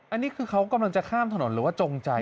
อันนี้คือเขากำลังจะข้ามถนนหรือว่าจงใจ